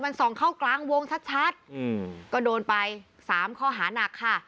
มันส่องเข้ากลางวงชัดชัดอืมก็โดนไปสามข้อหานักค่ะ